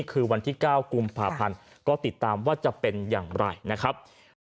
คือวันที่๙กุมภาพันธ์ก็ติดตามว่าจะเป็นอย่างไรนะครับ